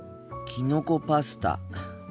きのこパスタ。